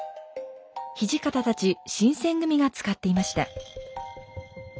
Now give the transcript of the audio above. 土方たち新選組が使っていました。